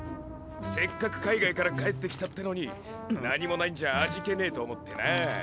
せっかく海外から帰ってきたってのに何もないんじゃ味気ねえと思ってな。